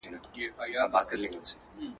له مودو ستا د دوستی یمه لېواله.